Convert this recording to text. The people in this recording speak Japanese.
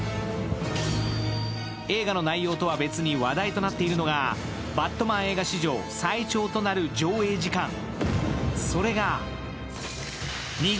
映画の内容とは別に話題となっているのが「バットマン」映画史上最長となる上映時間。